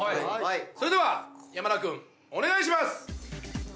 それでは山田君お願いします！